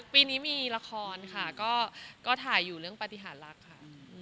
ปีนี้มีละครค่ะก็ถ่ายอยู่เรื่องปฏิหารรักค่ะ